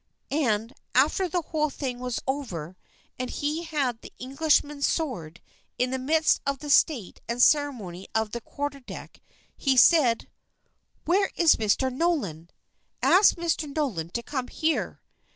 And after the whole thing was over, and he had the Englishman's sword, in the midst of the state and ceremony of the quarter deck, he said: "Where is Mr. Nolan? Ask Mr. Nolan to come here."